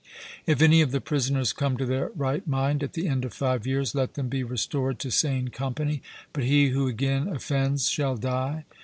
If any of the prisoners come to their right mind, at the end of five years let them be restored to sane company; but he who again offends shall die.